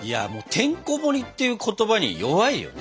「てんこもり」っていう言葉に弱いよね。